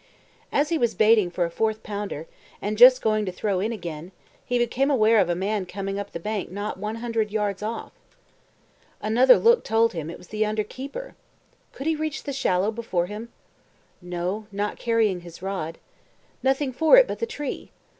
As he was baiting for a fourth pounder, and just going to throw in again, he became aware of a man coming up the bank not one hundred yards off. Another look told him that it was the under keeper. Could he reach the shallow before him? No, not carrying his rod. Nothing for it but the tree.